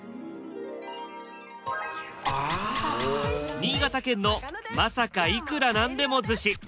新潟県の「まさかいくらなんでも寿司」。